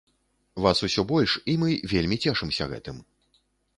Вас усё больш, і мы вельмі цешымся гэтым.